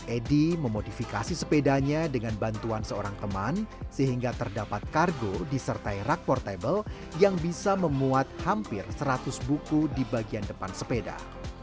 edy memodifikasi sepedanya dengan bantuan seorang teman sehingga terdapat kargo disertai rak portable yang bisa memuat hampir seratus buku di bagian depan sepeda